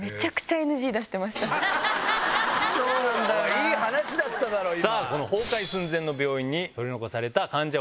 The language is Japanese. いい話だっただろ今。